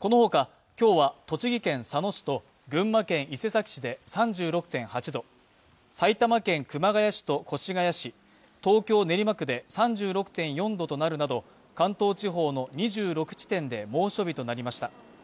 この他、今日は、栃木県佐野市と群馬県伊勢崎市で３６．８度、埼玉県熊谷市と越谷市、東京・練馬区で３６．４度となるなど関東地方の２６地点で猛暑日となりました。